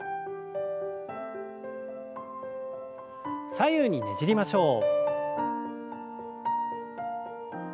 左右にねじりましょう。